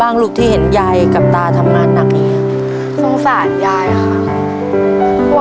ทับผลไม้เยอะเห็นยายบ่นบอกว่าเป็นยังไงครับ